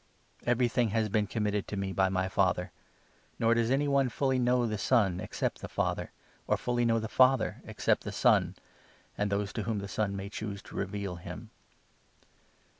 Everything has been committed to me by my Father ; nor 27 does any one fully know the Son, except the Father, or fully know the Father, except the Son and those to whom the Son Jesus may choose to reveal him.